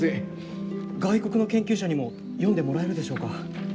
外国の研究者にも読んでもらえるでしょうか？